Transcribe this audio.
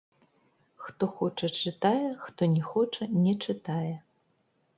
Хто хоча чытае хто не хоча не чытае.